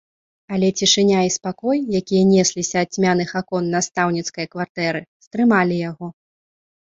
Але цішыня і спакой, якія несліся ад цьмяных акон настаўніцкае кватэры, стрымалі яго.